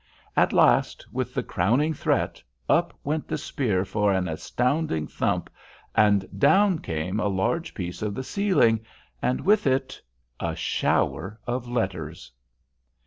At last, with the crowning threat, up went the spear for an astounding thump, and down came a large piece of the ceiling, and with it—a shower of letters.